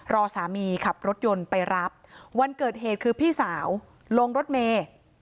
รอสามีขับรถยนต์ไปรับวันเกิดเหตุคือพี่สาวลงรถเมย์